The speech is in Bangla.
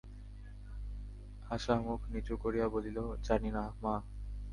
আশা মুখ নিচু করিয়া বলিল, জানি না, মা।